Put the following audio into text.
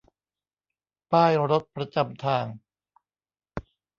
ป้ายรถประจำทาง